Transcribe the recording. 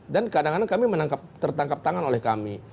dan kadang kadang kami menangkap tertangkap tangan oleh kami